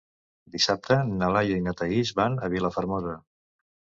Dissabte na Laia i na Thaís van a Vilafermosa.